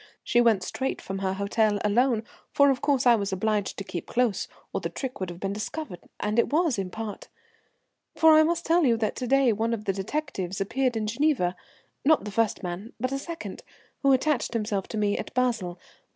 She went straight from her hotel, alone, for of course I was obliged to keep close, or the trick would have been discovered, and it was in part. "For I must tell you that to day one of the detectives appeared in Geneva, not the first man, but a second, who attached himself to me at Basle.